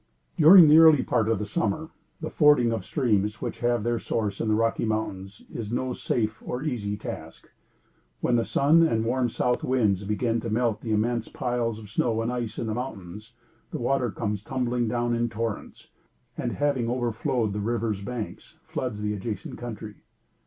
During the early part of summer, the fording of streams which have their source in the Rocky Mountains is no safe or easy task. When the sun and the warm south winds begin to melt the immense piles of snow and ice in the mountains, the water comes tumbling down in torrents; and, having overflowed the rivers' banks, floods the adjacent country.